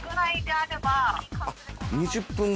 ２０分後？